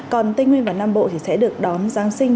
còn tây nguyên và nam bộ thì sẽ được đón giáng sinh